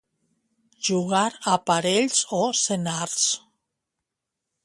Jugar a parells o senars.